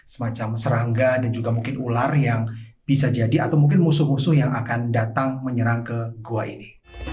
semacam serangga dan juga mungkin ular yang bisa jadi atau mungkin musuh musuh yang akan datang menyerang ke gua ini